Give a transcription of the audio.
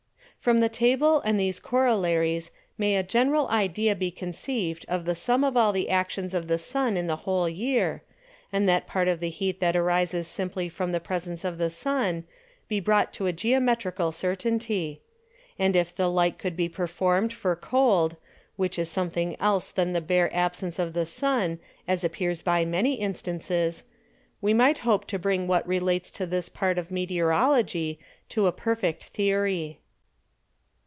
From the Table and these Corollaries may a general Idea be conceived of the Sum of all the Actions of the Sun in the whole Year, and that part of the Heat that arises simply from the Presence of the Sun be brought to a Geometrical Certainty: And if the like could be performed for Cold; which is something else than the bare Absence of the Sun, as appears by many Instances, we might hope to bring what relates to this part of Meteorology to a perfect Theory.